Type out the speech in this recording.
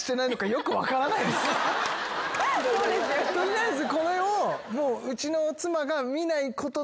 取りあえず。